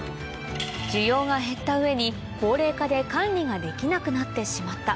需要が減った上に高齢化で管理ができなくなってしまった